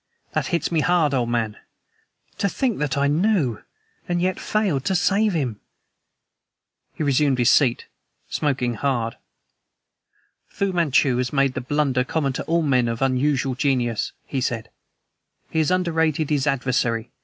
That hits me hard, old man. To think that I knew and yet failed to save him!" He resumed his seat, smoking hard. "Fu Manchu has made the blunder common to all men of unusual genius," he said. "He has underrated his adversary.